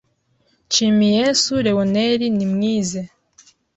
Nshimiyyesu Leonerd ni mwize